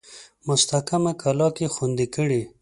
مستحکمه کلا کې خوندې کړي.